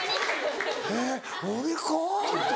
えっ俺か？